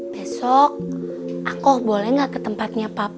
besok aku boleh enggak ke tempatnya paps